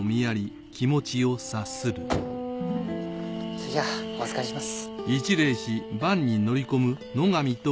それじゃあお預かりします。